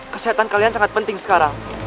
kesehatan kalian sangat penting sekarang